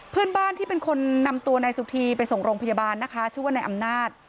เพื่อนบ้านที่เป็นคนนำตัวนายสุธีไปส่งโรงพยาบาลนะคะชื่อว่านายอำนาจ